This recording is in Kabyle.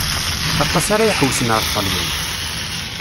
Aṭas ara iḥewsen ar Ṭelyan.